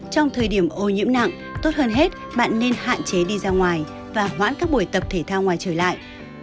trong thời điểm ô nhiễm nặng tốt hơn hết bạn nên hạn chế đi ra ngoài và hoãn các buổi tập thể thao ngoài trời lại